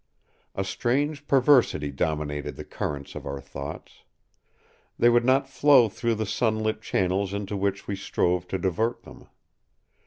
A strange perversity dominated the currents of our thoughts. They would not flow through the sun lit channels into which we strove to divert them.